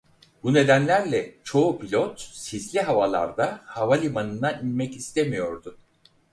Bu nedenlerle çoğu pilot sisli havalarda havalimanına inmek istemiyordu.